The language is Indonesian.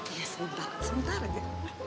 iya sebentar sebentar aja